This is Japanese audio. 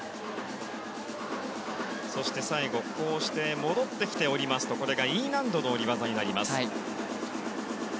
最後、こうして戻ってきて下りますとこれがＥ難度の下り技になります。